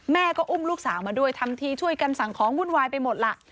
แม่ก็อุ้มลูกสาวมาด้วยทำทีช่วยกันสั่งของวุ่นวายไปหมดล่ะ